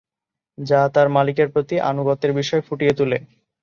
যা তার মালিকের প্রতি আনুগত্যের বিষয় ফুটিয়ে তুলে।